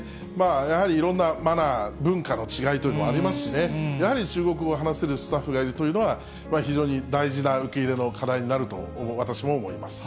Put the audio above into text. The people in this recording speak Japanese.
やはりいろんなマナー、文化の違いというのもありますしね、やはり中国語を話せるスタッフがいるというのは、非常に大事な受け入れの課題になると、私も思います。